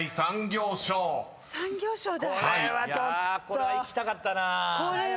これはいきたかったなぁ。